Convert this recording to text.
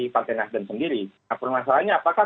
partai nasdem sendiri masalahnya apakah